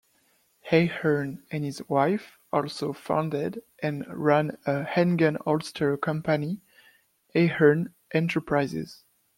Ahern and his wife also founded and ran a handgun holster company, Ahern Enterprises.